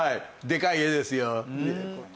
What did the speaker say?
でかい絵ですよ。